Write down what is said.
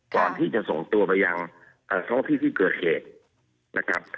ก่อนที่จะส่งตัวไปยังท้องที่ที่เกิดเหตุนะครับ